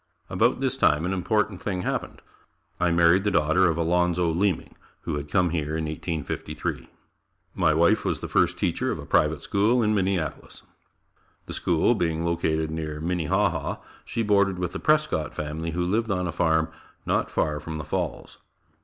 About this time an important thing happened. I married the daughter of Alonzo Leaming, who had come here in 1853. My wife was the first teacher of a private school in Minneapolis. The school being located near Minnehaha, she boarded with the Prescott family who lived on a farm not far from the Falls.